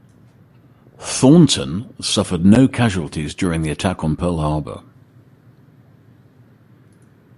"Thornton" suffered no casualties during the attack on Pearl Harbor.